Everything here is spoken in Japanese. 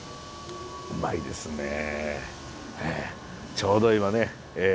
ちょうど今ね